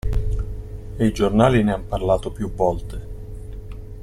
E i giornali ne han parlato più volte.